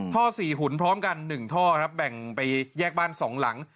ท่อ๔หุ่นพร้อมกัน๑ท่อครับแบ่งไปแยกบ้าน๒หลัง